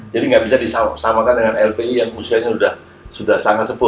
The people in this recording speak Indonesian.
jadi tidak bisa disamakan dengan lpi yang usianya sudah sangat sepuh